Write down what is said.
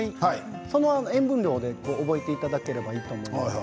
その塩分量で覚えていただければいいと思います。